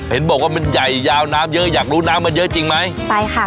เห็นบอกว่ามันใหญ่ยาวน้ำเยอะอยากรู้น้ำมันเยอะจริงไหมไปค่ะ